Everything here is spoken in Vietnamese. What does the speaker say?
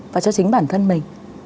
và cho chính bản thân mình